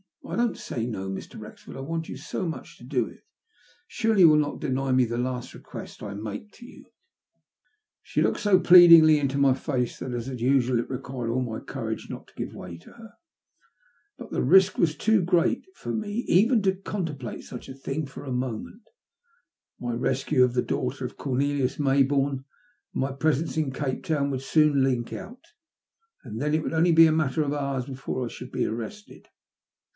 Oh don't say no, Mr. Wrexford, I want you so much to do it. Surely you will not deny me the last request I make to you ?" She looked bo pleadingly into my face that, as usual, it required all my courage not to give way to her. But the risk was too great for me even to con* template such a thing for a moment. My rescue of the daughter of Cornelius Maybourne, and my presence in Cape Town, would soon leak out, and then it would be only a matter of hours before I should be arrested.